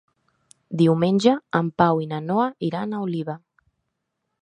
Diumenge en Pau i na Noa iran a Oliva.